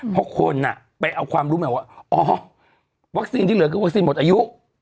เพราะคนไปเอาความรู้ใหม่ว่าอ๋อวัคซีนที่เหลือคือวัคซีนหมดอายุ